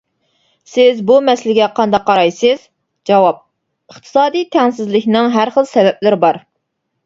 سىز بۇ مەسىلىگە قانداق قارايسىز؟ جاۋاب: ئىقتىسادىي تەڭسىزلىكنىڭ ھەر خىل سەۋەبلىرى بار.